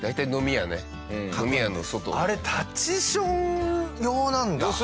あれ立ちション用なんだ。